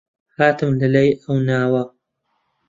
هاتم لە لای ئەو ناوە